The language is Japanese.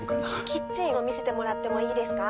キッチンを見せてもらってもいいですか？